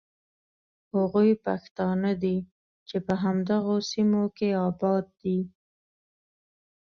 هغوی پښتانه دي چې په همدغو سیمو کې آباد دي.